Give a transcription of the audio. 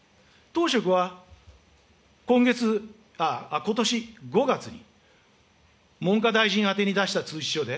はことし５月に、文科大臣宛てに出した通知書で、